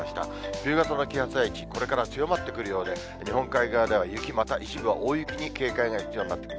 冬型の気圧配置、これから強まってくるようで、日本海側では雪、または一部では大雪に警戒が必要になってくる。